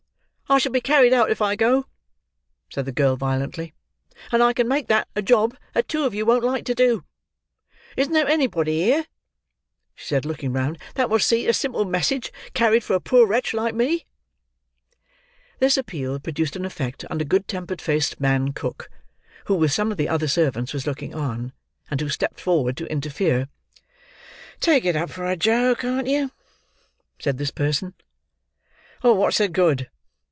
"I shall be carried out if I go!" said the girl violently; "and I can make that a job that two of you won't like to do. Isn't there anybody here," she said, looking round, "that will see a simple message carried for a poor wretch like me?" This appeal produced an effect on a good tempered faced man cook, who with some of the other servants was looking on, and who stepped forward to interfere. "Take it up for her, Joe; can't you?" said this person. "What's the good?"